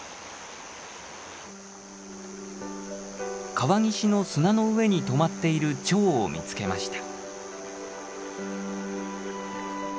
川岸の砂の上に止まっているチョウを見つけました。